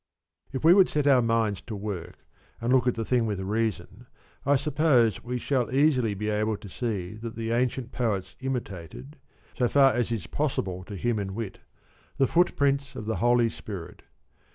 If we would set our minds to work and look at the thing with reason, I suppose we shall easily be able to see that the ancient poets imitated (so far as is possible to human wit) the footprints of the Holy Spirit.